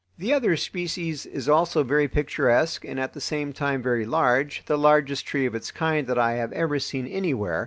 The other species is also very picturesque and at the same time very large, the largest tree of its kind that I have ever seen anywhere.